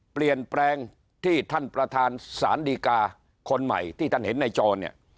เปลี่ยนแปลงที่ท่านประธานสารดีกาคนใหม่ที่ท่านเห็นในจอเนี่ย